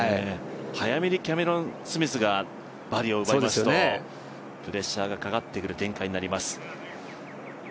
早めにキャメロン・スミスがバーディーを奪いますとプレッシャーがかかってくる展開になります。